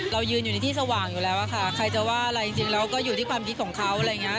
เรายืนอยู่ในที่สว่างอยู่แล้วอะค่ะใครจะว่าอะไรจริงเราก็อยู่ที่ความคิดของเขาอะไรอย่างนี้